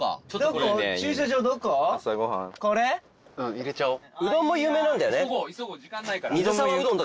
入れちゃおう。